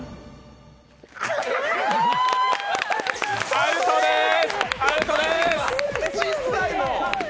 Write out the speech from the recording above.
アウトでーす。